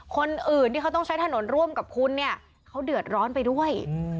คนอื่นที่เขาต้องใช้ถนนร่วมกับคุณเนี่ยเขาเดือดร้อนไปด้วย